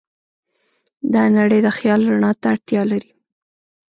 دا نړۍ د خیال رڼا ته اړتیا لري.